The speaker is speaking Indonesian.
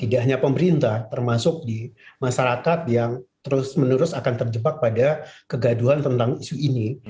tidak hanya pemerintah termasuk di masyarakat yang terus menerus akan terjebak pada kegaduhan tentang isu ini